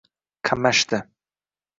Qamashdi